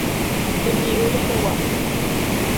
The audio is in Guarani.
Tembi'u rehegua.